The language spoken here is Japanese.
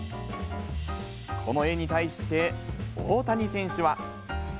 この絵に対して、大谷選手は。